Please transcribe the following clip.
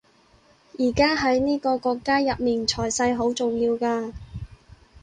而家喺呢個國家入面財勢好重要㗎